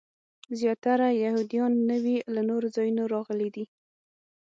زیاتره یهودیان نوي له نورو ځایونو راغلي دي.